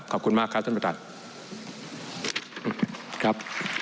ขอบคุณมากครับท่านประตัญญา